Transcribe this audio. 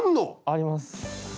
あります。